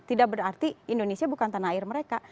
tidak berarti indonesia bukan tanah air mereka